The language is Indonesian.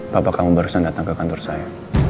bapak kamu barusan datang ke kantor saya